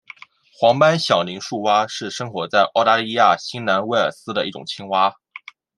黄斑响铃树蛙是生活在澳大利亚新南威尔斯的一种青蛙。